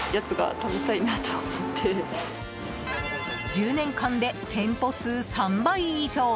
１０年間で店舗数３倍以上。